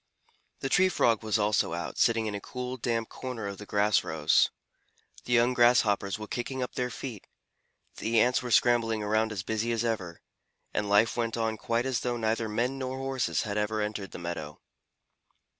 The Tree Frog was also out, sitting in a cool, damp corner of the grass rows. The young Grasshoppers were kicking up their feet, the Ants were scrambling around as busy as ever, and life went on quite as though neither men nor Horses had ever entered the meadow.